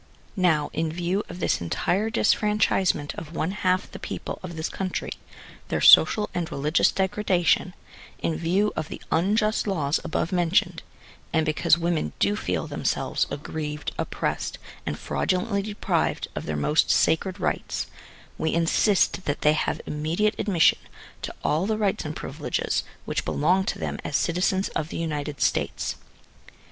Now, in view of this entire disfranchisement of one half the people of this country, their social and religious degradation ŌĆö in view of the unjust laws above mentioned, and because women do feel themselves aggrieved, oppressed, and fraudulently deprived of their most sacred rights, we insist that they have immediate admission to all the rights and privileges which belong to them as citizens of the United States.